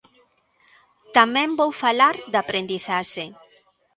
Tamén vou falar de aprendizaxe.